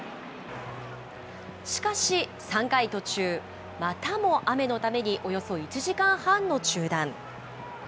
しかし、３回途中、またも雨のために、およそ１時間半の中断。